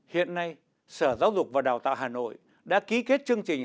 hiện nay sở giáo dục và đào tạo hà nội đã ký kết chương trình